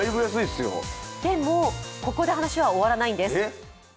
でも、ここで話は終わらないんです